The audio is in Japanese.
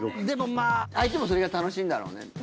でもまぁ相手もそれが楽しいんだろうね。